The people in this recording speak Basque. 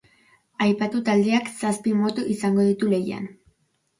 Aipatu taldeak zazpi moto izango ditu lehian.